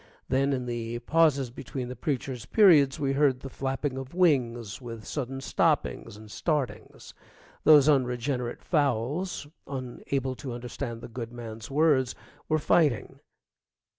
Then in the pauses between the preacher's periods we heard the flapping of wings, with sudden stoppings and startings. Those unregenerate fowls, unable to understand the good man's words, were fighting.